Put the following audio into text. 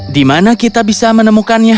di mana kita bisa menemukannya